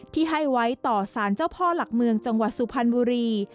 ที่ให้ไว้ต่อสารเจ้าพ่อหลักเมืองจังหวัดสุพรรณบุรี